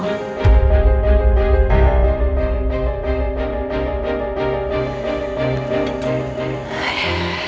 kamu yang menolong semua tagihan rumah sakit itu al